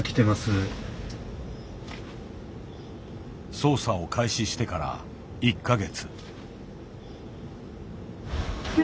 捜査を開始してから１か月。